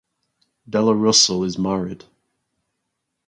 Della Russell is married.